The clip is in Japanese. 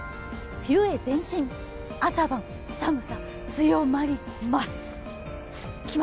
冬へ前進、朝晩寒さ強まります。